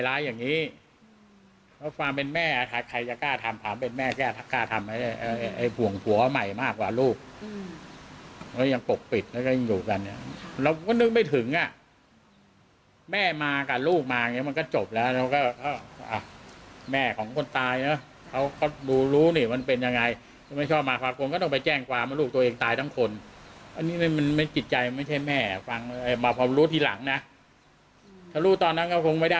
อันนี้คือมันมันมันกิจใจไม่ใช่แม่ฟัง